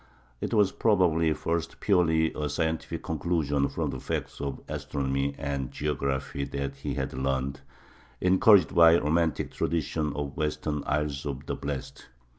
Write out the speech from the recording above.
It was probably first a purely scientific conclusion from the facts of astronomy and geography that he had learned, encouraged by romantic traditions of western "Isles of the Blest."